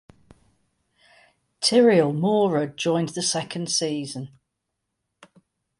Tiriel Mora joined the second season.